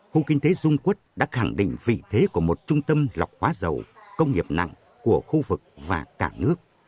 khu kinh tế dung quốc đã khẳng định vị thế của một trung tâm lọc hóa dầu công nghiệp nặng của khu vực và cả nước